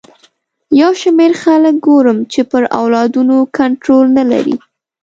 یو شمېر خلک ګورم چې پر اولادونو کنټرول نه لري.